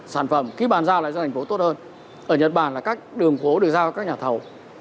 sản phẩm khi bàn giao lại cho thành phố tốt hơn ở nhật bản là các đường phố được giao cho các nhà thầu